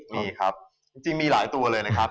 มีครับจริงมีหลายตัวเลยนะครับ